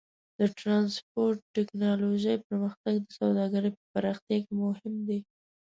د ټرانسپورټ ټیکنالوجۍ پرمختګ د سوداګرۍ په پراختیا کې مهم دی.